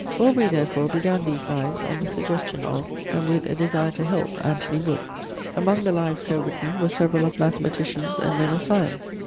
Aubrey, therefore, began these lives on the suggestion of, and with a desire to help Anthony Wood. Among the lives so written were several of mathematicians and men of science.